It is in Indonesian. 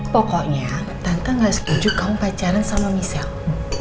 pokoknya tante gak setuju kamu pacaran sama michelle